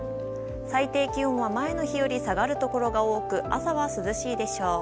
最低気温は前の日より下がる所が多く、朝は涼しいでしょう。